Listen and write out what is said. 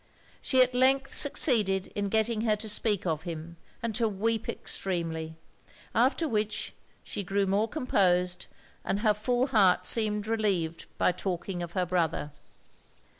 She at length succeeded in getting her to speak of him, and to weep extremely; after which, she grew more composed, and her full heart seemed relieved by talking of her brother.